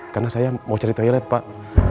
karena saya mau cari toilet pak